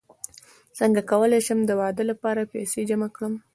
څنګه کولی شم د واده لپاره پیسې جمع کړم